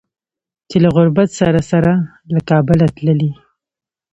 چې له غربت سره سره له کابله تللي